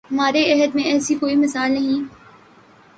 ہمارے عہد میں ایسی کوئی مثال نہیں